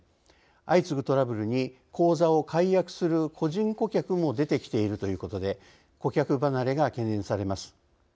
相次ぐトラブルに口座を解約する個人顧客も出てきているということで顧客離れが懸念されます。